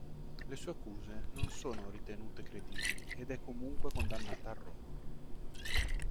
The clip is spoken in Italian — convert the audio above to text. Le sue accuse non sono ritenute credibili ed è comunque condannata al rogo.